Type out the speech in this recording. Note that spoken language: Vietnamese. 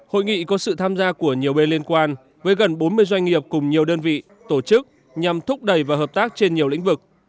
hội nghị có sự tham gia của nhiều bên liên quan với gần bốn mươi doanh nghiệp cùng nhiều đơn vị tổ chức nhằm thúc đẩy và hợp tác trên nhiều lĩnh vực